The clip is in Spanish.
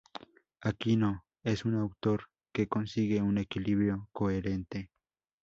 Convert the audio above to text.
Aquino es un autor que consigue un equilibrio coherente.